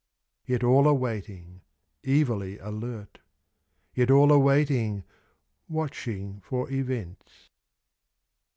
Yet all are waiting, evilly alert ... Yet all are waiting — watching for events.